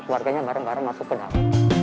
keluarganya bareng bareng masuk penang